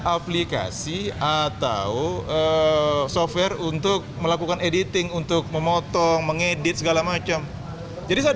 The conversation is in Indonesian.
aplikasi atau software untuk melakukan editing untuk memotong mengedit segala macam jadi saya